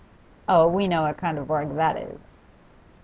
'Oh, we know what kind of work that is!